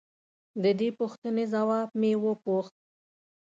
د دې پوښتنې ځواب مې وپوښت.